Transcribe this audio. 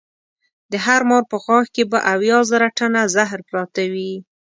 د هر مار په غاښ کې به اویا زره ټنه زهر پراته وي.